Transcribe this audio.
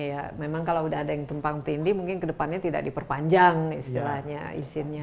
iya memang kalau udah ada yang tumpang tindih mungkin kedepannya tidak diperpanjang istilahnya izinnya